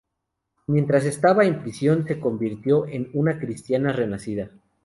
Mientras estaba en prisión, se convirtió en una cristiana renacida.